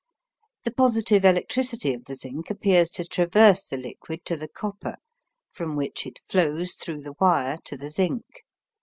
The positive electricity of the zinc appears to traverse the liquid to the copper, from which it flows through the wire to the zinc.